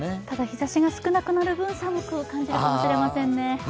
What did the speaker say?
ただ日ざしが少なくなる分、寒く感じるかもしれませんね。